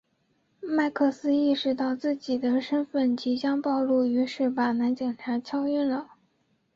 麦克斯意识到自己的身份即将暴露于是把男警察敲晕了。